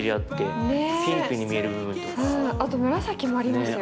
あと紫もありますよ。